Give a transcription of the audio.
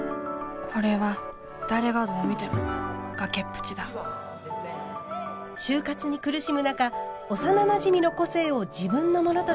これは誰がどう見ても崖っぷちだ就活に苦しむ中幼なじみの個性を自分のものとして偽った主人公。